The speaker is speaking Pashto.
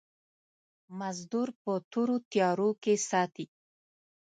مزدور په تورو تيارو کې ساتي.